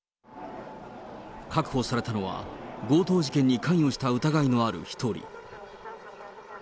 確保されたのは強盗事件に関与した疑いのある１人。